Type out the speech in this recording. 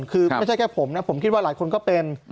คือไม่ใช่แค่ผมนะผมคิดว่าหลายคนก็เป็น